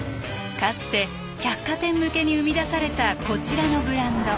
かつて百貨店向けに生み出されたこちらのブランド。